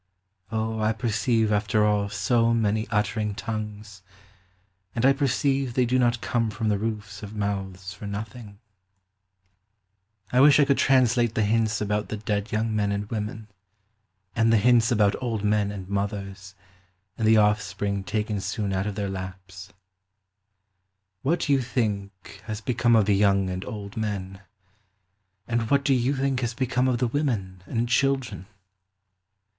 O I perceive after all so many uttering tongues, And I perceive they do not come from the roofs of mouths for nothing. 200 POEMS OF SENTIMENT. I wish I could translate the hints about the dead young men and women, And the hints about old men and mothers, and the offspring taken soon out of their laps. What do you think has become of the young and old men? And what do you think has become of the women and children